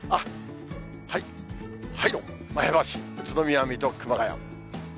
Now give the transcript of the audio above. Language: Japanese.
前橋、宇都宮、水戸、熊谷。